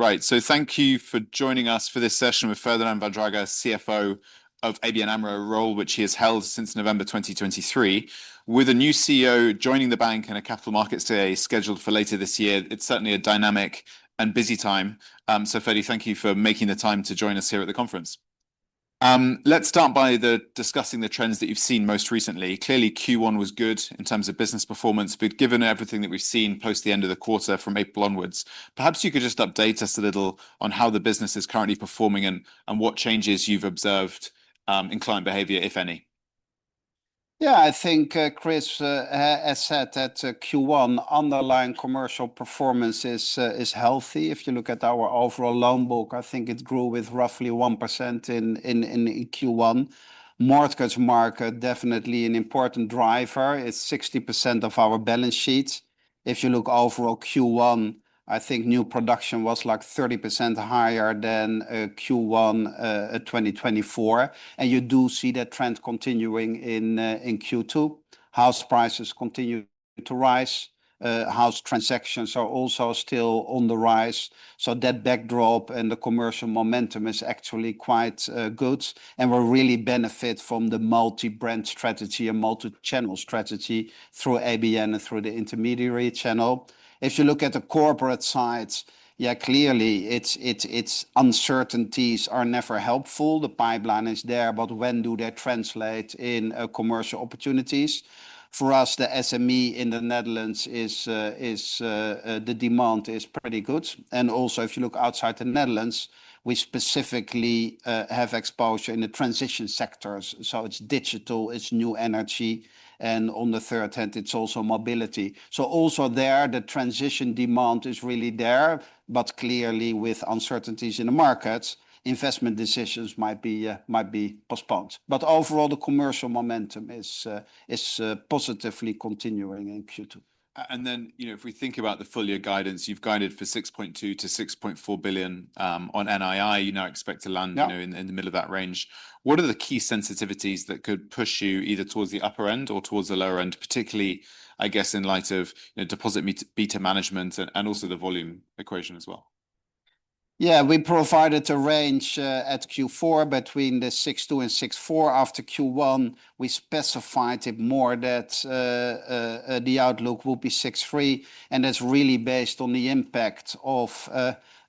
Right, thank you for joining us for this session with Ferdinand Vaandrager, CFO of ABN AMRO, a role which he has held since November 2023, with a new CEO joining the bank and a capital markets day scheduled for later this year. It is certainly a dynamic and busy time. Ferdie, thank you for making the time to join us here at the conference. Let's start by discussing the trends that you have seen most recently. Clearly, Q1 was good in terms of business performance, but given everything that we have seen post the end of the quarter from April onwards, perhaps you could just update us a little on how the business is currently performing and what changes you have observed in client behaviour, if any. Yeah, I think Chris has said that Q1 underlying commercial performance is healthy. If you look at our overall loan book, I think it grew with roughly 1% in Q1. Mortgage market, definitely an important driver, is 60% of our balance sheet. If you look overall Q1, I think new production was like 30% higher than Q1 2024. You do see that trend continuing in Q2. House prices continue to rise. House transactions are also still on the rise. That backdrop and the commercial momentum is actually quite good. We're really benefiting from the multi-brand strategy and multi-channel strategy through ABN and through the intermediary channel. If you look at the corporate side, yeah, clearly uncertainties are never helpful. The pipeline is there, but when do they translate into commercial opportunities? For us, the SME in the Netherlands is the demand is pretty good. If you look outside the Netherlands, we specifically have exposure in the transition sectors. It is digital, it is new energy, and on the third hand, it is also mobility. Also there, the transition demand is really there, but clearly with uncertainties in the markets, investment decisions might be postponed. Overall, the commercial momentum is positively continuing in Q2. If we think about the full year guidance, you've guided for 6.2 billion-6.4 billion on NII. You now expect to land in the middle of that range. What are the key sensitivities that could push you either towards the upper end or towards the lower end, particularly, I guess, in light of deposit beta management and also the volume equation as well? Yeah, we provided a range at Q4 between the 6.2 billion and 6.4 billion. After Q1, we specified it more that the outlook will be 6.3 billion. And that's really based on the impact of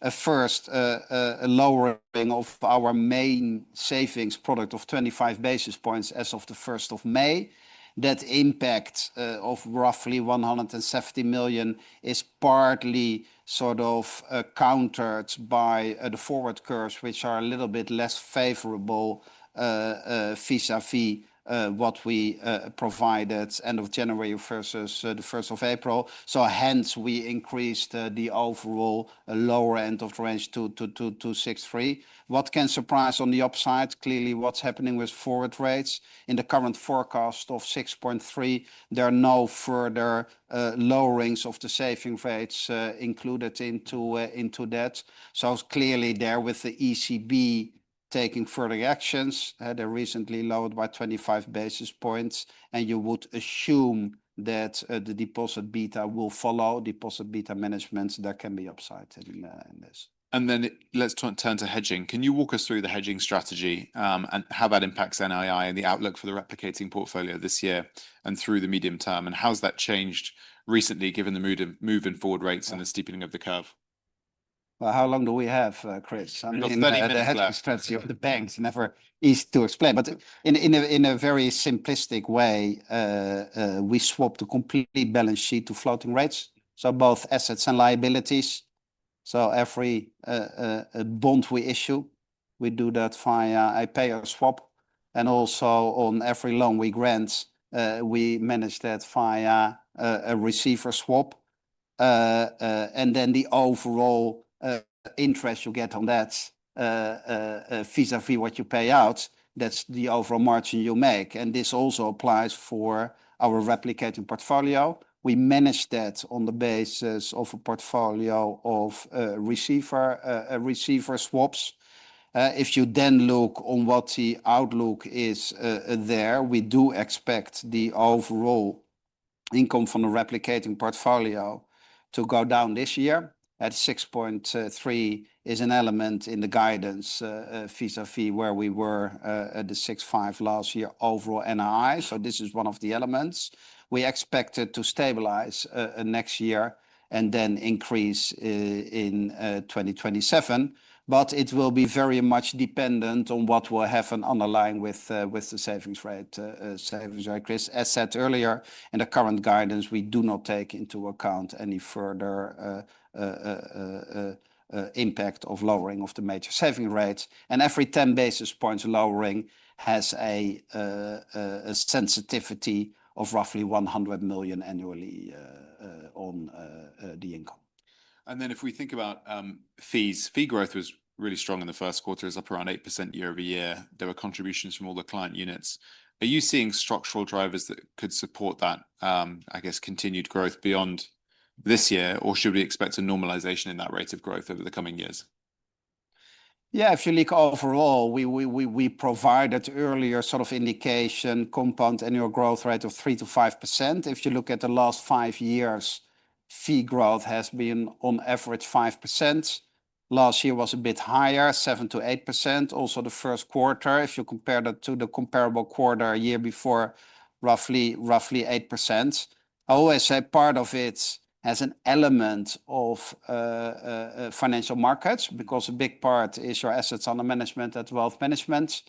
a first lowering of our main savings product of 25 basis points as of the 1st of May. That impact of roughly 170 million is partly sort of countered by the forward curves, which are a little bit less favorable vis-à-vis what we provided end of January versus the 1st of April. Hence, we increased the overall lower end of the range to 6.3 billion. What can surprise on the upside? Clearly, what's happening with forward rates in the current forecast of 6.3 billion, there are no further lowerings of the saving rates included into that. Clearly there with the ECB taking further actions, they recently lowered by 25 basis points. You would assume that the deposit beta will follow deposit beta management that can be upsided in this. Let's turn to hedging. Can you walk us through the hedging strategy and how that impacts NII and the outlook for the replicating portfolio this year and through the medium term? How has that changed recently given the moving forward rates and the steepening of the curve? How long do we have, Chris? The hedging strategy of the banks never is too explained. But in a very simplistic way, we swapped the complete balance sheet to floating rates. So both assets and liabilities. So every bond we issue, we do that via a payer swap. And also on every loan we grant, we manage that via a receiver swap. And then the overall interest you get on that vis-à-vis what you pay out, that's the overall margin you make. And this also applies for our replicating portfolio. We manage that on the basis of a portfolio of receiver swaps. If you then look on what the outlook is there, we do expect the overall income from the replicating portfolio to go down this year at 6.3 billion is an element in the guidance vis-à-vis where we were at the 6.5 billion last year overall NII. This is one of the elements. We expect it to stabilize next year and then increase in 2027. It will be very much dependent on what will happen underlying with the savings rate. As said earlier, in the current guidance, we do not take into account any further impact of lowering of the major saving rates. Every 10 basis points lowering has a sensitivity of roughly 100 million annually on the income. If we think about fees, fee growth was really strong in the first quarter, is up around 8% year over year. There were contributions from all the client units. Are you seeing structural drivers that could support that, I guess, continued growth beyond this year? Should we expect a normalization in that rate of growth over the coming years? Yeah, if you look overall, we provide that earlier sort of indication compound annual growth rate of 3%-5%. If you look at the last five years, fee growth has been on average 5%. Last year was a bit higher, 7%-8%. Also the first quarter, if you compare that to the comparable quarter a year before, roughly 8%. I always say part of it has an element of financial markets because a big part is your assets under management at wealth management.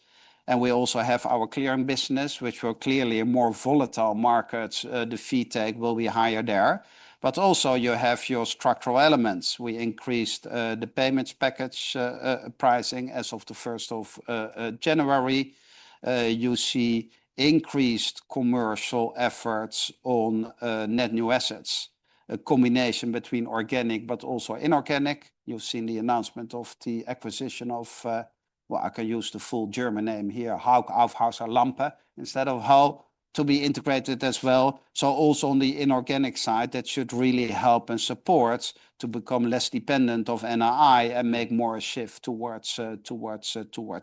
We also have our clearing business, which were clearly a more volatile market. The fee tag will be higher there. You have your structural elements. We increased the payments package pricing as of the 1st of January. You see increased commercial efforts on net new assets, a combination between organic but also inorganic. You've seen the announcement of the acquisition of, well, I can use the full German name here, Hauck Aufhäuser Lampe instead of HAL, to be integrated as well. Also on the inorganic side, that should really help and support to become less dependent of NII and make more a shift towards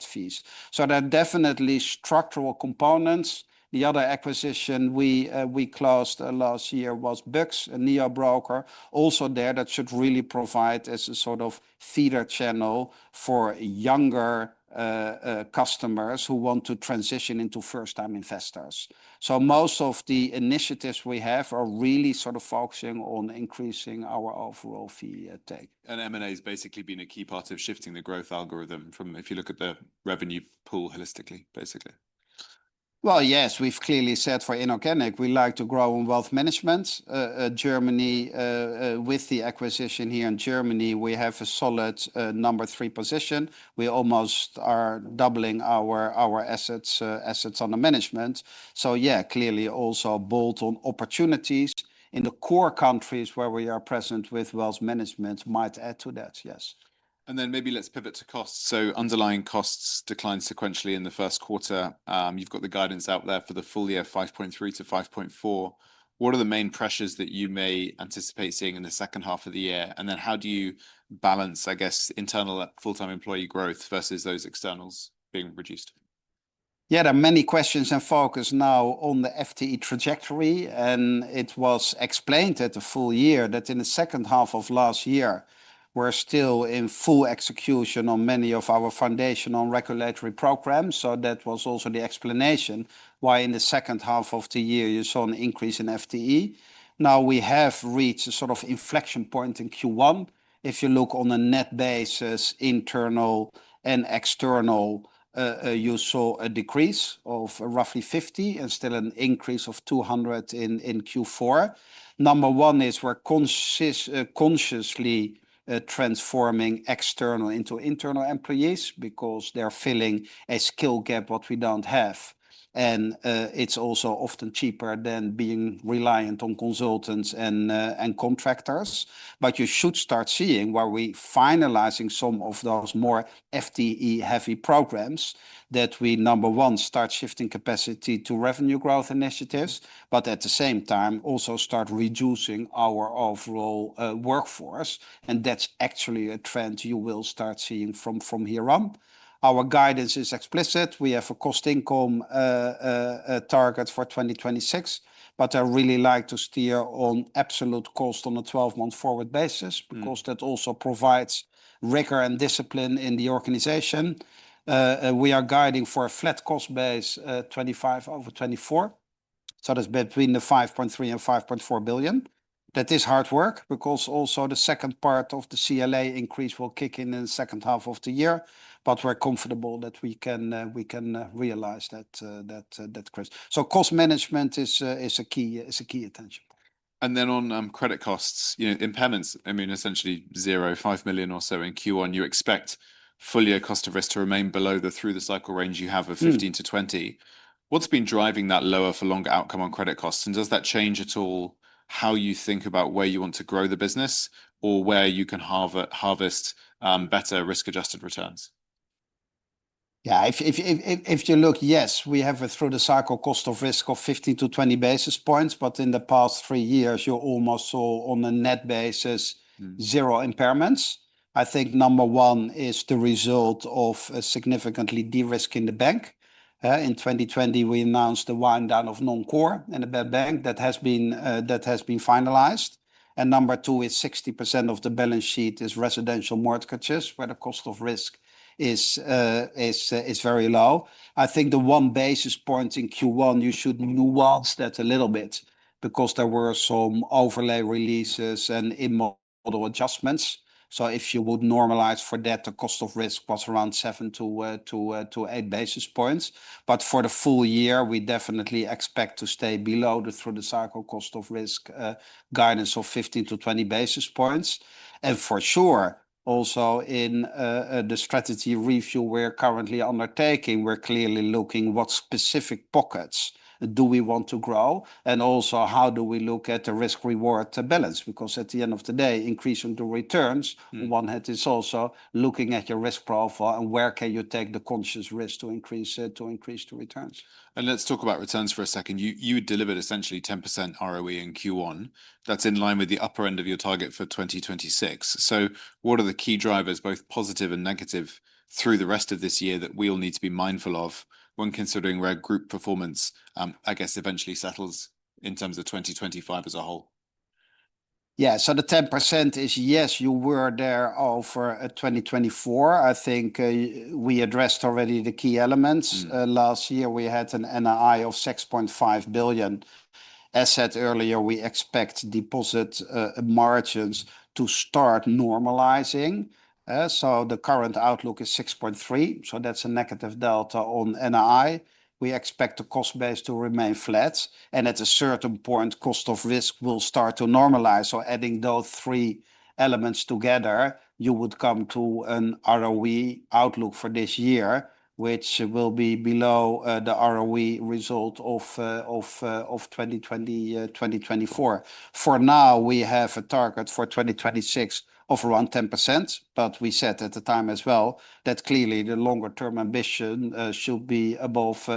fees. There are definitely structural components. The other acquisition we closed last year was BEX, a NeoBroker. Also there that should really provide as a sort of feeder channel for younger customers who want to transition into first-time investors. Most of the initiatives we have are really sort of focusing on increasing our overall fee take. M&A has basically been a key part of shifting the growth algorithm from, if you look at the revenue pool holistically, basically. Yes, we've clearly said for inorganic, we like to grow on wealth management. Germany, with the acquisition here in Germany, we have a solid number three position. We almost are doubling our assets under management. Yeah, clearly also bolt-on opportunities in the core countries where we are present with wealth management might add to that, yes. Maybe let's pivot to costs. Underlying costs declined sequentially in the first quarter. You've got the guidance out there for the full year, 5.3 billion-5.4 billion. What are the main pressures that you may anticipate seeing in the second half of the year? How do you balance, I guess, internal full-time employee growth versus those externals being reduced? Yeah, there are many questions and focus now on the FTE trajectory. It was explained at the full year that in the second half of last year, we were still in full execution on many of our foundational regulatory programs. That was also the explanation why in the second half of the year you saw an increase in FTE. Now we have reached a sort of inflection point in Q1. If you look on a net basis, internal and external, you saw a decrease of roughly 50 and still an increase of 200 in Q4. Number one is we are consciously transforming external into internal employees because they are filling a skill gap that we do not have. It is also often cheaper than being reliant on consultants and contractors. You should start seeing where we're finalizing some of those more FTE-heavy programs that we, number one, start shifting capacity to revenue growth initiatives, but at the same time also start reducing our overall workforce. That's actually a trend you will start seeing from here on. Our guidance is explicit. We have a cost income target for 2026, but I really like to steer on absolute cost on a 12-month forward basis because that also provides rigor and discipline in the organization. We are guiding for a flat cost base, 2025 over 2024. That's between 5.3 billion-5.4 billion. That is hard work because also the second part of the CLA increase will kick in in the second half of the year. We're comfortable that we can realize that, Chris. Cost management is a key attention. On credit costs, in payments, I mean, essentially zero, 5 million or so in Q1, you expect fully a cost of risk to remain below the through-the-cycle range you have of 15%-20%. What's been driving that lower for longer outcome on credit costs? Does that change at all how you think about where you want to grow the business or where you can harvest better risk-adjusted returns? Yeah, if you look, yes, we have a through-the-cycle cost of risk of 15-20 basis points. But in the past three years, you are almost all on a net basis, zero impairments. I think number one is the result of significantly de-risking the bank. In 2020, we announced the wind-down of non-core and a better bank that has been finalized. Number two is 60% of the balance sheet is residential mortgages, where the cost of risk is very low. I think the one basis point in Q1, you should nuance that a little bit because there were some overlay releases and immobile adjustments. If you would normalize for that, the cost of risk was around 7-8 basis points. For the full year, we definitely expect to stay below the through-the-cycle cost of risk guidance of 15-20 basis points. For sure, also in the strategy review we're currently undertaking, we're clearly looking at what specific pockets do we want to grow and also how do we look at the risk-reward balance? Because at the end of the day, increasing the returns, one hand is also looking at your risk profile and where can you take the conscious risk to increase the returns. Let's talk about returns for a second. You delivered essentially 10% ROE in Q1. That's in line with the upper end of your target for 2026. What are the key drivers, both positive and negative, through the rest of this year that we all need to be mindful of when considering where group performance, I guess, eventually settles in terms of 2025 as a whole? Yeah, so the 10% is, yes, you were there over 2024. I think we addressed already the key elements. Last year, we had an NII of 6.5 billion. As said earlier, we expect deposit margins to start normalising. The current outlook is 6.3 billion. That is a negative delta on NII. We expect the cost base to remain flat. At a certain point, cost of risk will start to normalise. Adding those three elements together, you would come to an ROE outlook for this year, which will be below the ROE result of 2024. For now, we have a target for 2026 of around 10%. We said at the time as well that clearly the longer-term ambition should be above the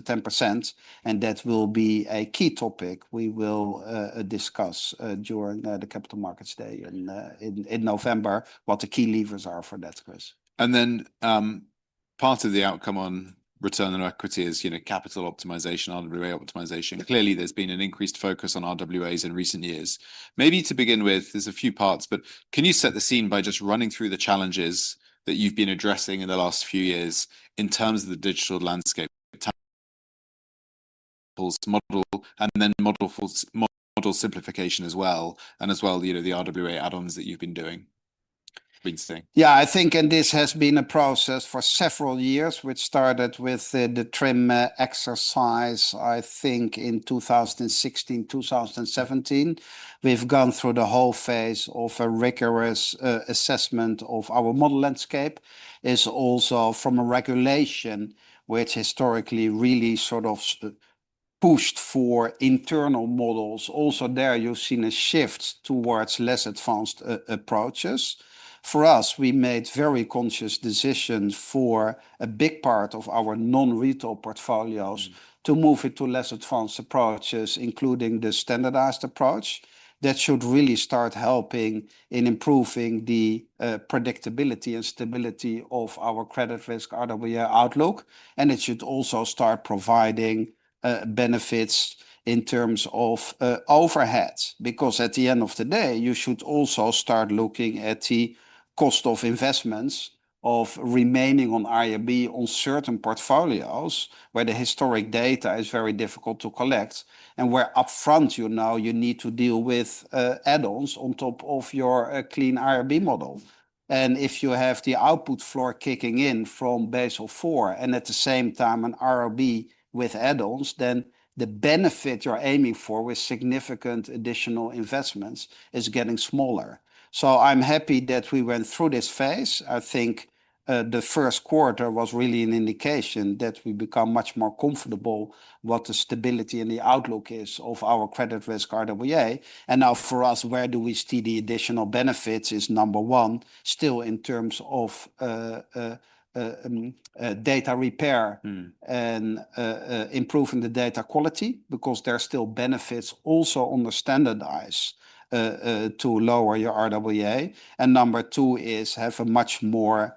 10%. That will be a key topic we will discuss during the capital markets day in November, what the key levers are for that, Chris. Part of the outcome on return on equity is capital optimization, RWA optimization. Clearly, there's been an increased focus on RWAs in recent years. Maybe to begin with, there's a few parts, but can you set the scene by just running through the challenges that you've been addressing in the last few years in terms of the digital landscape, the TAM model, and then model simplification as well, and as well the RWA add-ons that you've been doing? Yeah, I think, and this has been a process for several years, which started with the trim exercise, I think, in 2016, 2017. We've gone through the whole phase of a rigorous assessment of our model landscape. It's also from a regulation, which historically really sort of pushed for internal models. Also there, you've seen a shift towards less advanced approaches. For us, we made very conscious decisions for a big part of our non-retail portfolios to move it to less advanced approaches, including the standardised approach. That should really start helping in improving the predictability and stability of our credit risk RWA outlook. It should also start providing benefits in terms of overhead. Because at the end of the day, you should also start looking at the cost of investments of remaining on IRB on certain portfolios, where the historic data is very difficult to collect, and where upfront you know you need to deal with add-ons on top of your clean IRB model. If you have the output floor kicking in from Basel four and at the same time an IRB with add-ons, then the benefit you're aiming for with significant additional investments is getting smaller. I am happy that we went through this phase. I think the first quarter was really an indication that we become much more comfortable what the stability and the outlook is of our credit risk RWA. For us, where do we see the additional benefits is number one, still in terms of data repair and improving the data quality because there are still benefits also under standardized to lower your RWA. Number two is have a much more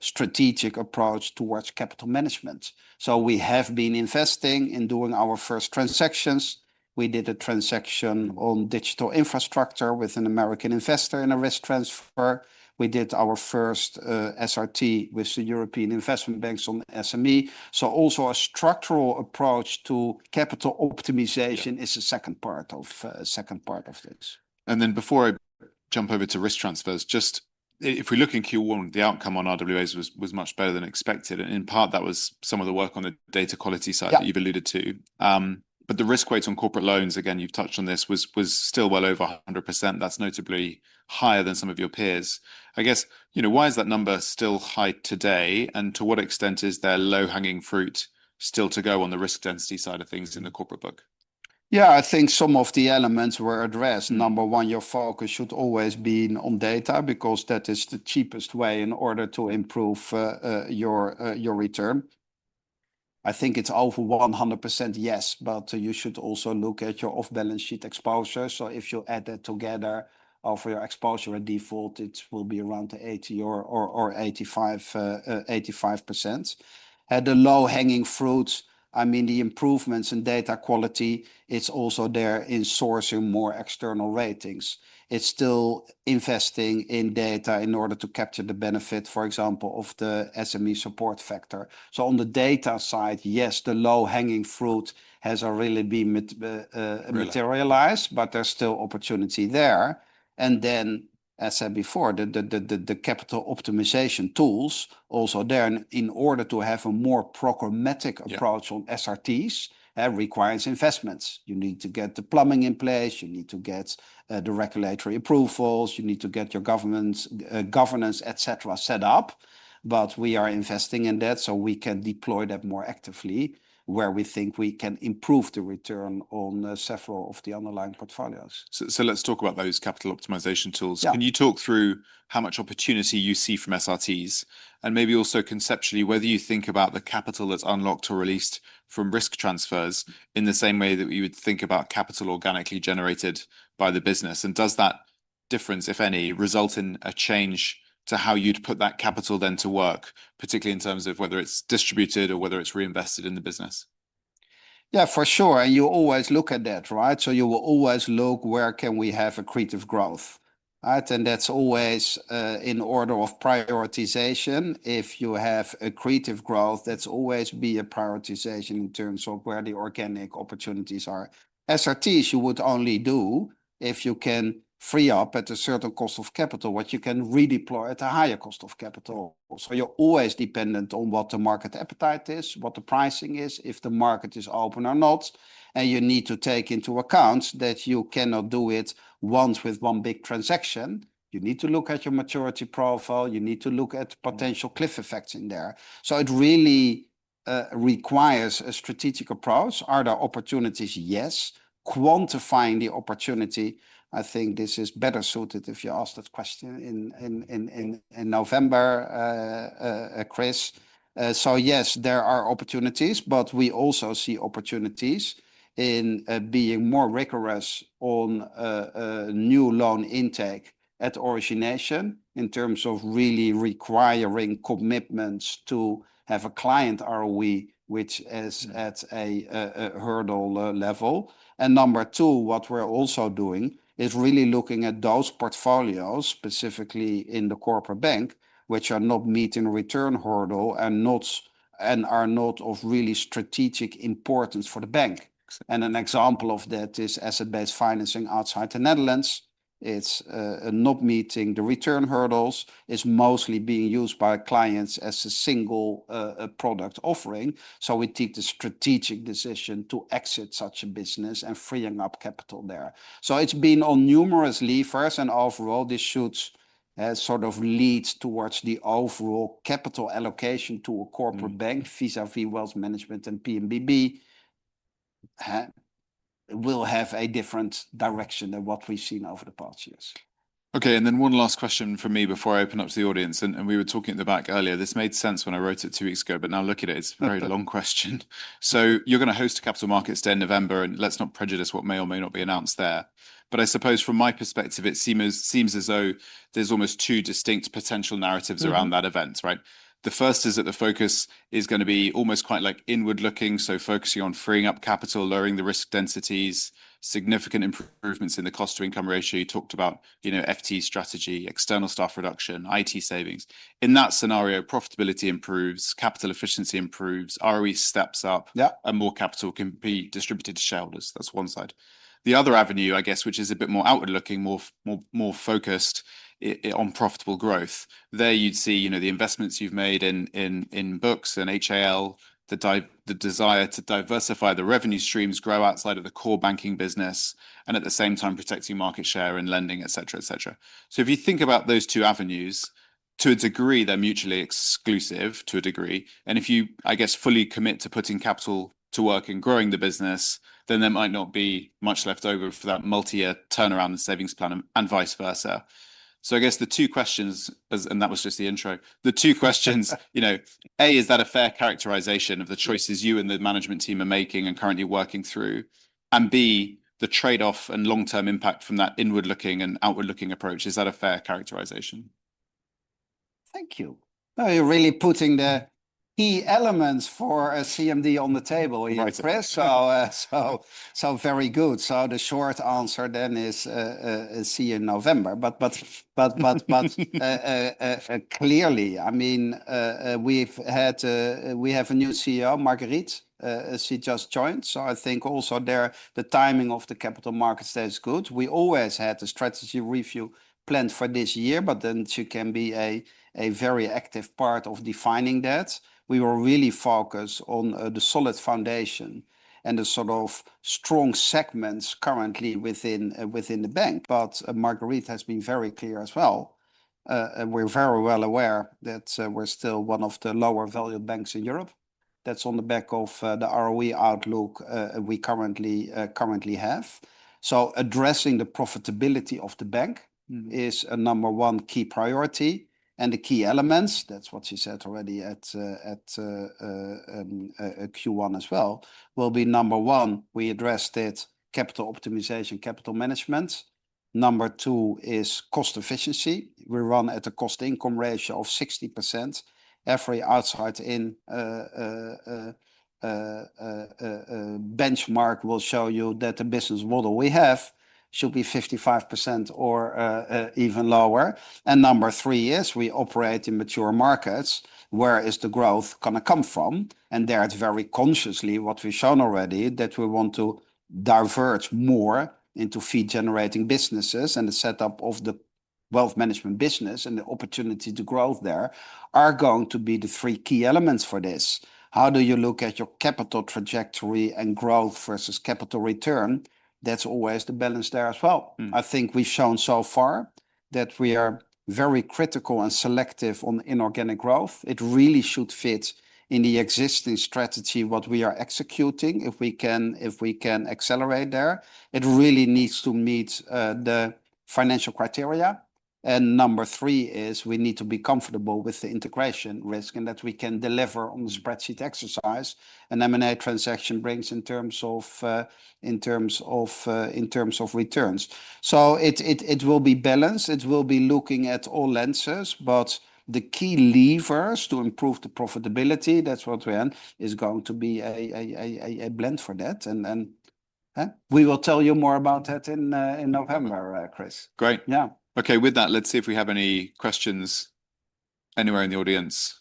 strategic approach towards capital management. We have been investing in doing our first transactions. We did a transaction on digital infrastructure with an American investor in a risk transfer. We did our first SRT with the European investment banks on SME. Also, a structural approach to capital optimization is a second part of this. Before I jump over to risk transfers, just if we look in Q1, the outcome on RWAs was much better than expected. In part, that was some of the work on the data quality side that you have alluded to. The risk weight on corporate loans, again, you have touched on this, was still well over 100%. That is notably higher than some of your peers. I guess, you know, why is that number still high today? To what extent is there low hanging fruit still to go on the risk density side of things in the corporate book? Yeah, I think some of the elements were addressed. Number one, your focus should always be on data because that is the cheapest way in order to improve your return. I think it's over 100%, yes, but you should also look at your off-balance sheet exposure. If you add that together for your exposure at default, it will be around the 80% or 85%. At the low hanging fruit, I mean, the improvements in data quality, it's also there in sourcing more external ratings. It's still investing in data in order to capture the benefit, for example, of the SME support factor. On the data side, yes, the low hanging fruit has really been materialized, but there's still opportunity there. As I said before, the capital optimization tools also there. In order to have a more programmatic approach on SRTs, it requires investments. You need to get the plumbing in place. You need to get the regulatory approvals. You need to get your governance, et cetera, set up. We are investing in that so we can deploy that more actively where we think we can improve the return on several of the underlying portfolios. Let's talk about those capital optimisation tools. Can you talk through how much opportunity you see from SRTs and maybe also conceptually whether you think about the capital that's unlocked or released from risk transfers in the same way that we would think about capital organically generated by the business? Does that difference, if any, result in a change to how you'd put that capital then to work, particularly in terms of whether it's distributed or whether it's reinvested in the business? Yeah, for sure. You always look at that, right? You will always look where can we have accretive growth. That is always in order of prioritization. If you have accretive growth, that will always be a prioritization in terms of where the organic opportunities are. SRTs you would only do if you can free up at a certain cost of capital, which you can redeploy at a higher cost of capital. You are always dependent on what the market appetite is, what the pricing is, if the market is open or not. You need to take into account that you cannot do it once with one big transaction. You need to look at your maturity profile. You need to look at potential cliff effects in there. It really requires a strategic approach. Are there opportunities? Yes. Quantifying the opportunity, I think this is better suited if you ask that question in November, Chris. Yes, there are opportunities, but we also see opportunities in being more rigorous on new loan intake at origination in terms of really requiring commitments to have a client ROE, which is at a hurdle level. Number two, what we're also doing is really looking at those portfolios, specifically in the corporate bank, which are not meeting return hurdle and are not of really strategic importance for the bank. An example of that is asset-based financing outside the Netherlands. It is not meeting the return hurdles. It is mostly being used by clients as a single product offering. We take the strategic decision to exit such a business and freeing up capital there. It has been on numerous levers. Overall, this should sort of lead towards the overall capital allocation to a corporate bank vis-à-vis wealth management and PMBB will have a different direction than what we've seen over the past years. Okay, and then one last question for me before I open up to the audience. We were talking at the back earlier. This made sense when I wrote it two weeks ago, but now look at it. It is a very long question. You are going to host the capital markets day in November, and let's not prejudice what may or may not be announced there. I suppose from my perspective, it seems as though there are almost two distinct potential narratives around that event, right? The first is that the focus is going to be almost quite like inward looking, so focusing on freeing up capital, lowering the risk densities, significant improvements in the cost to income ratio. You talked about FTE strategy, external staff reduction, IT savings. In that scenario, profitability improves, capital efficiency improves, ROE steps up, and more capital can be distributed to shareholders. That's one side. The other avenue, I guess, which is a bit more outward looking, more focused on profitable growth, there you'd see the investments you've made in BootHauck Aufhäuser Lampe, the desire to diversify the revenue streams, grow outside of the core banking business, and at the same time, protecting market share and lending, et cetera, et cetera. If you think about those two avenues, to a degree, they're mutually exclusive to a degree. If you, I guess, fully commit to putting capital to work and growing the business, then there might not be much left over for that multi-year turnaround and savings plan and vice versa. I guess the two questions, and that was just the intro, the two questions, you know, A, is that a fair characterisation of the choices you and the management team are making and currently working through and B, the trade-off and long-term impact from that inward looking and outward looking approach, is that a fair characterisation? Thank you. You're really putting the key elements for a CMD on the table, yes, Chris. Very good. The short answer then is see you in November. Clearly, I mean, we have a new CEO, Marguerite. She just joined. I think also there, the timing of the capital markets there is good. We always had a strategy review planned for this year, but then she can be a very active part of defining that. We were really focused on the solid foundation and the sort of strong segments currently within the bank. Marguerite has been very clear as well. We're very well aware that we're still one of the lower valued banks in Europe. That's on the back of the ROE outlook we currently have. Addressing the profitability of the bank is a number one key priority. The key elements, that is what she said already at Q1 as well, will be number one. We addressed it, capital optimisation, capital management. Number two is cost efficiency. We run at a cost income ratio of 60%. Every outside-in benchmark will show you that the business model we have should be 55% or even lower. Number three is we operate in mature markets. Where is the growth going to come from? There is very consciously what we have shown already that we want to diverge more into fee-generating businesses and the setup of the wealth management business and the opportunity to grow there are going to be the three key elements for this. How do you look at your capital trajectory and growth versus capital return? That is always the balance there as well. I think we have shown so far that we are very critical and selective on inorganic growth. It really should fit in the existing strategy, what we are executing, if we can accelerate there. It really needs to meet the financial criteria. Number three is we need to be comfortable with the integration risk and that we can deliver on the spreadsheet exercise an M&A transaction brings in terms of returns. It will be balanced. It will be looking at all lenses, but the key levers to improve the profitability, that's what we're on, is going to be a blend for that. We will tell you more about that in November, Chris. Great. Yeah. Okay, with that, let's see if we have any questions anywhere in the audience.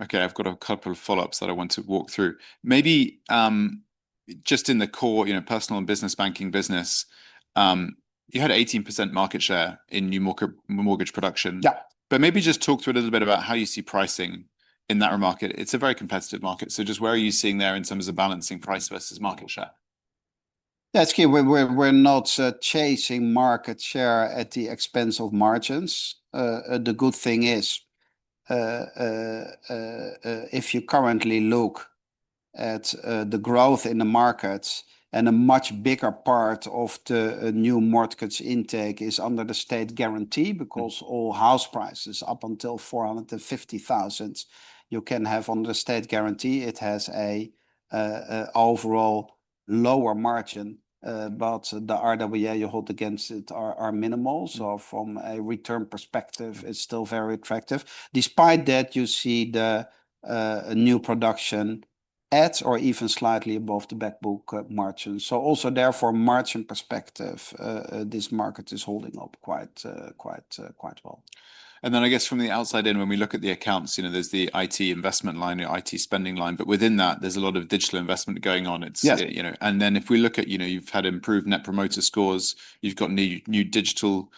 Okay, I've got a couple of follow-ups that I want to walk through. Maybe just in the core, you know, personal and business banking business, you had 18% market share in new mortgage production. But maybe just talk to a little bit about how you see pricing in that market. It's a very competitive market. So just where are you seeing there in terms of balancing price versus market share? That's key. We're not chasing market share at the expense of margins. The good thing is if you currently look at the growth in the markets and a much bigger part of the new mortgage intake is under the state guarantee because all house prices up until 450,000 you can have under the state guarantee. It has an overall lower margin, but the RWA you hold against it are minimal. From a return perspective, it's still very attractive. Despite that, you see the new production at or even slightly above the backbook margin. Also therefore, from a margin perspective, this market is holding up quite well. I guess from the outside in, when we look at the accounts, you know, there's the IT investment line, the IT spending line, but within that, there's a lot of digital investment going on. If we look at, you know, you've had improved net promoter scores, you've got new digital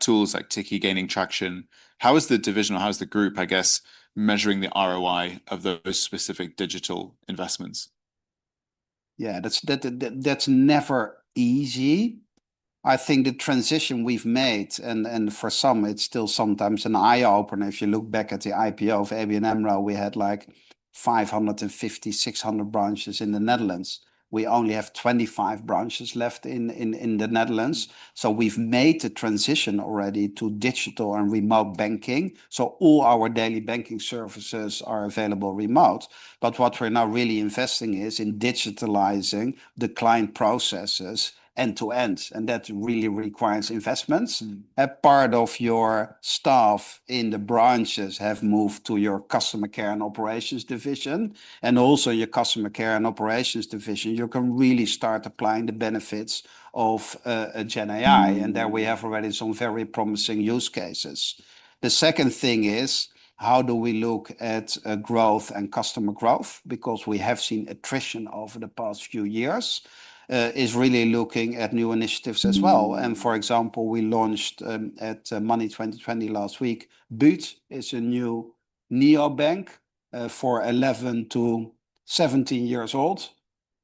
tools like Tikkie gaining traction. How is the division or how is the group, I guess, measuring the ROI of those specific digital investments? Yeah, that's never easy. I think the transition we've made and for some, it's still sometimes an eye-opener. If you look back at the IPO of ABN AMRO, we had like 550-600 branches in the Netherlands. We only have 25 branches left in the Netherlands. We have made the transition already to digital and remote banking. All our daily banking services are available remote. What we are now really investing in is digitalizing the client processes end to end. That really requires investments. A part of your staff in the branches have moved to your customer care and operations division. Also, your customer care and operations division, you can really start applying the benefits of GenAI. There we have already some very promising use cases. The second thing is how do we look at growth and customer growth because we have seen attrition over the past few years is really looking at new initiatives as well. For example, we launched at Money 2020 last week, Boot is a new neobank for 11- to 17-year-olds.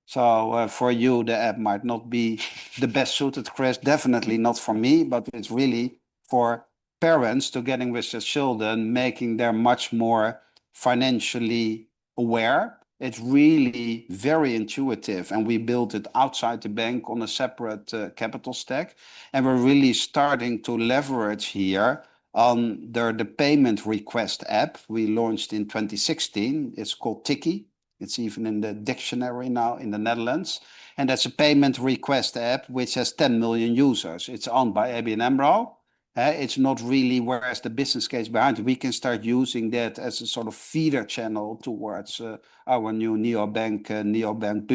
For you, the app might not be the best suited, Chris, definitely not for me, but it is really for parents to get with their children, making them much more financially aware. It is really very intuitive. We built it outside the bank on a separate capital stack. We are really starting to leverage here on the payment request app we launched in 2016. It is called Tikkie. It is even in the dictionary now in the Netherlands. That is a payment request app which has 10 million users. It is owned by ABN AMRO. It's not really whereas the business case behind it. We can start using that as a sort of feeder channel towards our new neobank, neobank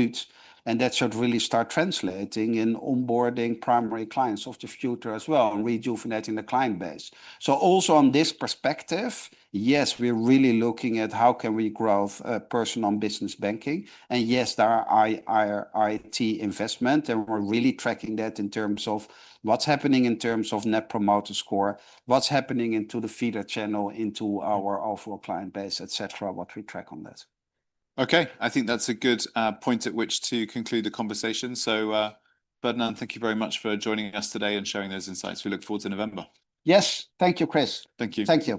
Boot. That should really start translating in onboarding primary clients of the future as well and rejuvenating the client base. Also on this perspective, yes, we're really looking at how can we grow personal and business banking. Yes, there are IT investments. We're really tracking that in terms of what's happening in terms of net promoter score, what's happening into the feeder channel into our overall client base, et cetera, what we track on that. Okay, I think that's a good point at which to conclude the conversation. So Ferdinand, thank you very much for joining us today and sharing those insights. We look forward to November. Yes, thank you, Chris. Thank you. Thank you.